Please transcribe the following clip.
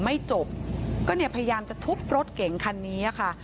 ไม่จบก็เนี่ยพยายามจะทุบรถเก่งคันนี้ค่ะ